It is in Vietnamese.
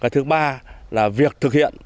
thứ ba là việc thực hiện